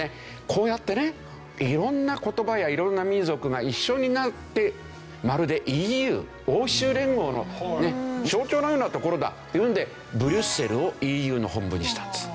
こうやってね色んな言葉や色んな民族が一緒になってまるでＥＵ欧州連合の象徴のような所だというんでブリュッセルをＥＵの本部にしたんです。